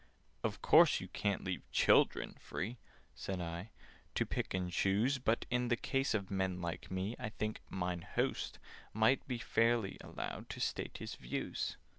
"Of course you can't leave children free," Said I, "to pick and choose: But, in the case of men like me, I think 'Mine Host' might fairly be Allowed to state his views."